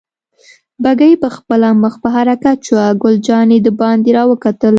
بګۍ پخپله مخ په حرکت شوه، ګل جانې دباندې را وکتل.